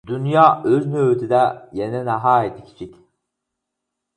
دۇنيا ئۆز نۆۋىتىدە يەنە ناھايىتى كىچىك.